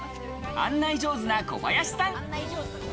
案内上手な小林さん。